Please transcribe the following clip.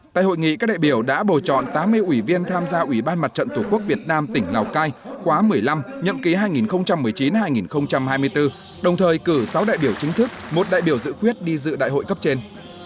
tại hội nghị các đại biểu đã bầu chọn tám mươi ủy viên tham gia ủy ban mặt trận tổ quốc việt nam tỉnh lào cai khóa một mươi năm nhậm ký hai nghìn một mươi chín hai nghìn hai mươi bốn đồng thời cử sáu đại biểu chính thức một đại biểu dự quyết đi dự đại hội cấp trên